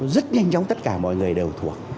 rất nhanh chóng tất cả mọi người đều thuộc